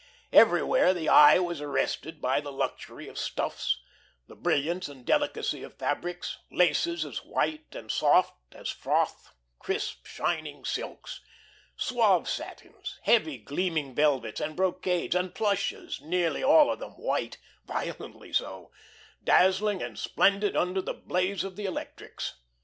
Everywhere the eye was arrested by the luxury of stuffs, the brilliance and delicacy of fabrics, laces as white and soft as froth, crisp, shining silks, suave satins, heavy gleaming velvets, and brocades and plushes, nearly all of them white violently so dazzling and splendid under the blaze of the electrics.